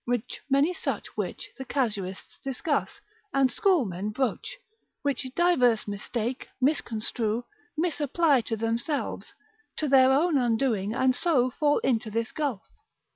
with many such which the casuists discuss, and schoolmen broach, which divers mistake, misconstrue, misapply to themselves, to their own undoing, and so fall into this gulf.